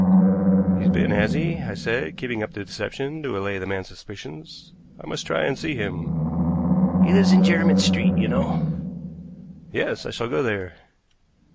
"He's been, has he?" I said, keeping up the deception to allay the man's suspicions. "I must try and see him." "He lives in Jermyn Street, you know." "Yes; I shall go there."